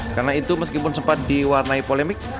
karena itu meskipun sempat diwarnai polemik